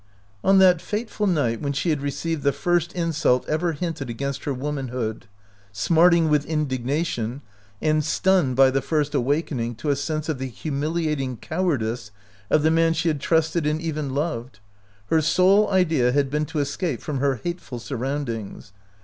On that fateful night when she had re ceived the first insult ever hinted against her womanhood, smarting with indignation and stunned by the first awakening to a sense of the humiliating cowardice of the man she had trusted and even loved, her sole idea had been to escape from her hateful sur roundings.